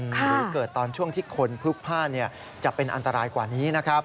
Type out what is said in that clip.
หรือเกิดตอนช่วงที่คนพลุกพลาดจะเป็นอันตรายกว่านี้นะครับ